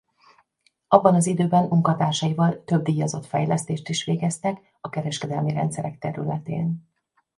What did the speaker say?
Abban az időben munkatársaival több díjazott fejlesztést is végeztek a kereskedelmi rendszerek területén.